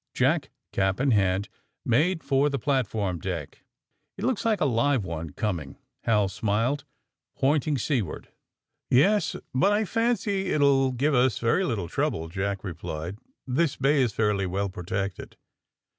Jack, cap in hand, made for the platform deck. ^*It looks like a live one coming," Hal smiled, pointing seaward. 108 THE SUBMAEINE BOYS '^Yes; but I fancy it will give ns very little trouble,'^ Jack replied. ^^This bay is fairly well protected.